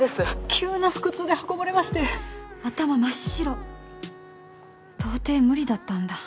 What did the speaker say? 急な腹痛で運ばれまして頭真っ白とうてい無理だったんだ